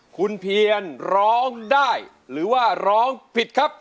คุณเพียรร้องได้หรือว่าร้องผิดครับ